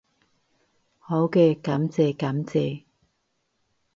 好嘅，感謝感謝